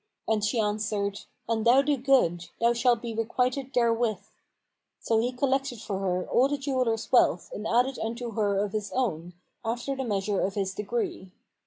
And she answered, "An thou do good, thou shalt be requited therewith." So he collected for her all the jeweller's wealth and added unto her of his own, after the measure of his degree.